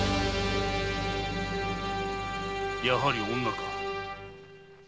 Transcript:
やはり女か。